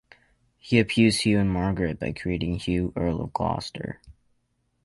He appeased Hugh and Margaret by creating Hugh Earl of Gloucester.